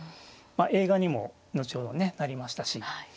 映画にも後ほどねなりましたし。